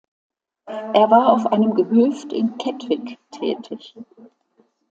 Er war auf einem Gehöft in Kettwig tätig.